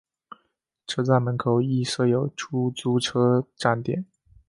车站门口亦设有出租车站点。